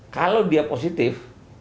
kalau dia positif